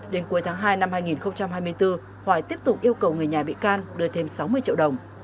đến cuối tháng hai năm hai nghìn hai mươi bốn hoài tiếp tục yêu cầu người nhà bị can đưa thêm sáu mươi triệu đồng